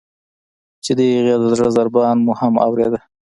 چې د هغې د زړه ضربان مو هم اوریده.